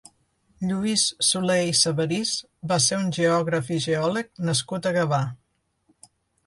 Lluís Solé i Sabarís va ser un geògraf i geòleg nascut a Gavà.